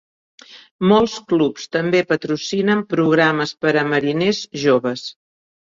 Molts clubs també patrocinen programes per a mariners joves.